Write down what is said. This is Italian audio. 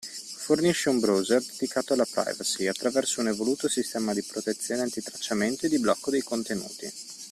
Fornisce un browser dedicato alla privacy, attraverso un evoluto sistema di protezione antitracciamento e di blocco dei contenuti.